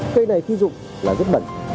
cây này khi dùng là rất bẩn